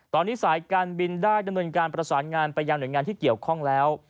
ตอนนี้สายการบินได้ดำเนินการประสานงานไปยังหน่วยงานที่เกี่ยวข้องแล้ว